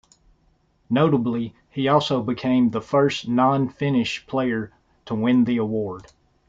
Notably, he also became the first non-Finnish player to win the award.